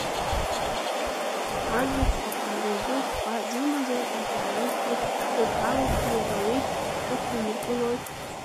Азахәба аҩразы хәба имазар, аҳәаразгьы ҿырҳәалазгьы иара уи изықәумыргылои!